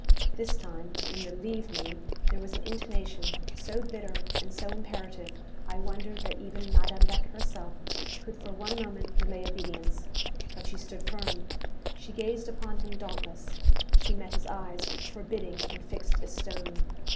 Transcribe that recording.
_' This time, in the 'leave me' there was an intonation so bitter and so imperative, I wondered that even Madame Beck herself could for one moment delay obedience. But she stood firm; she gazed upon him dauntless; she met his eyes, forbidding and fixed as stone.